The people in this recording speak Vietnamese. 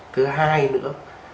thứ hai nữa